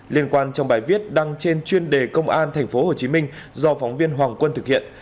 liên quan trong bài viết đăng trên chuyên đề công an thành phố hồ chí minh do phóng viên hoàng quân thực hiện